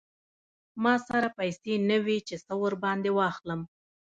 ما سره پیسې نه وې چې څه ور باندې واخلم.